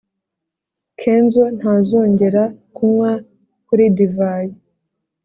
kenzo ntazongera kunywa kuri divayi